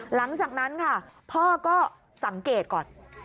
หลังจากนั้นค่ะพ่อก็สังเกตก่อน